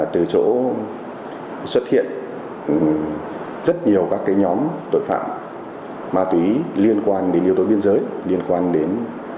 từ chỗ xuất hiện rất nhiều các nhóm tội phạm ma túy liên quan đến yếu tố biên giới liên quan đến